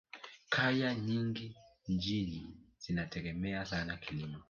kaya nyingi nchini zinategemea sana kilimo